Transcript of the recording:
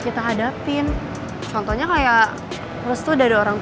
iya ini ada ibu